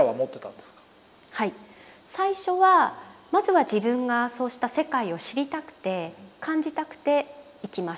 最初はまずは自分がそうした世界を知りたくて感じたくて行きました。